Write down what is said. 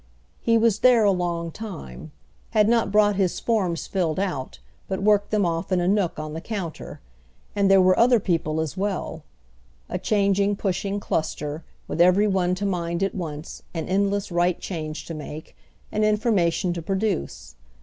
He was there a long time—had not brought his forms filled out but worked them off in a nook on the counter; and there were other people as well—a changing pushing cluster, with every one to mind at once and endless right change to make and information to produce.